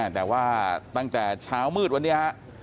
แต่ว่าตั้งแต่เช้ามืดวันนี้ฮะ